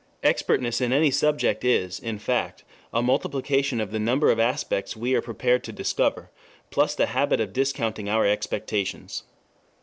Expertness in any subject is, in fact, a multiplication of the number of aspects we are prepared to discover, plus the habit of discounting our expectations.